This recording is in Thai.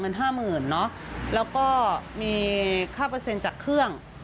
พี่จ้างเงิน๕๐๐๐๐บาทแล้วก็มีค่าเปอร์เซ็นต์จากเครื่อง